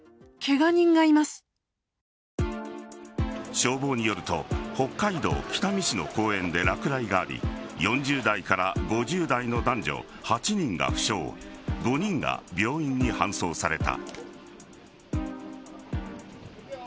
消防によると北海道北見市の公園で落雷があり４０代から５０代の男女８人が負傷５人が病院に搬送された。